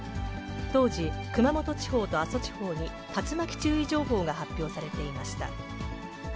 当時、熊本地方と阿蘇地方に竜巻注意情報が発表されていました。